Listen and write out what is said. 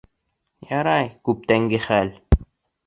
Ярай, күптәнге хәл...